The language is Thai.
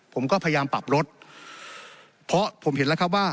ผมก็พยายามปรับรถเพราะผมเห็นแล้วครับว่า